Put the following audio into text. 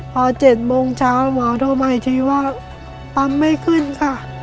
พอ๗โมงเช้าหมอโทรมาอีกทีว่าปั๊มไม่ขึ้นค่ะ